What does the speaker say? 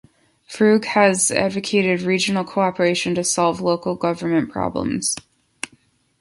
Frug has advocated regional cooperation to solve local government problems.